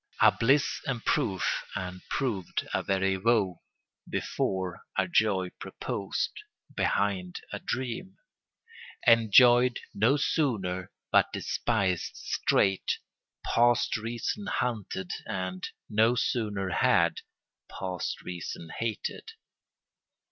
A bliss in proof and, proved, a very woe: Before, a joy proposed; behind, a dream ... Enjoyed no sooner but despised straight; Past reason hunted and, no sooner had, Past reason hated.